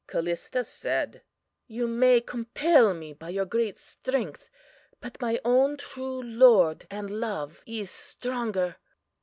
"CALLISTA said: You may compel me by your great strength, but my own true Lord and Love is stronger.